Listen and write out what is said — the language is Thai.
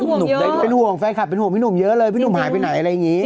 ไว้ค่นเป็นห่วงพี่หนุ่มนะแฟนคลับเป็นห่วงพี่หนุ่มเยอะเลยพี่หนุ่มหายไปไหนไง